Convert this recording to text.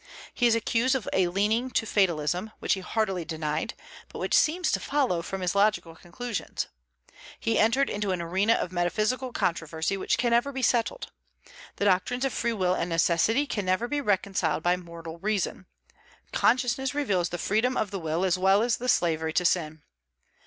He is accused of a leaning to fatalism, which he heartily denied, but which seems to follow from his logical conclusions. He entered into an arena of metaphysical controversy which can never be settled. The doctrines of free will and necessity can never be reconciled by mortal reason. Consciousness reveals the freedom of the will as well as the slavery to sin.